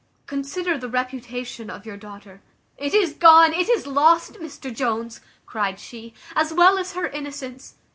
Consider the reputation of your daughter." "It is gone, it is lost, Mr Jones," cryed she, "as well as her innocence.